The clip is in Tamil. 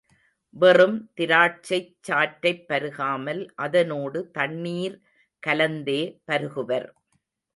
வெறும் திராட்சைச் சாற்றைப் பருகாமல் அதனோடு தண்ணீர் கலந்தே பருகுவர்.